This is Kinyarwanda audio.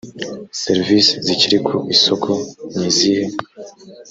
serivisi zikiri ku isoko nizihe